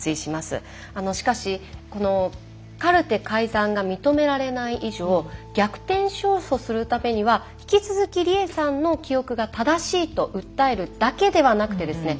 しかしこのカルテ改ざんが認められない以上逆転勝訴するためには引き続き理栄さんの記憶が正しいと訴えるだけではなくてですね